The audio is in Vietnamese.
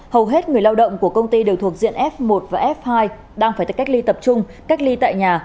hầu hết người lao động của công ty đều thuộc diện f một và f hai đang phải tự cách ly tập trung cách ly tại nhà